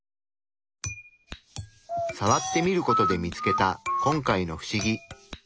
さわってみることで見つけた今回の不思議。